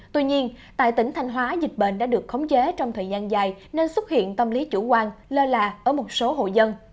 tuy nhiên tại tỉnh thanh hóa dịch bệnh đã được khống chế trong thời gian dài nên xuất hiện tâm lý chủ quan lơ là ở một số hộ dân